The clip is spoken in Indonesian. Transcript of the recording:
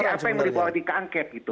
jadi apa yang dibawa di keangket gitu